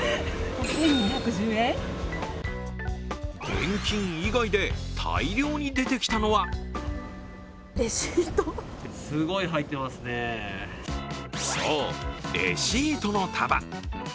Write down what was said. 現金以外で大量に出てきたのはそう、レシートの束。